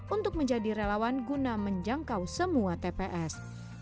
untuk menjadi relawan guna menjangkau semua tps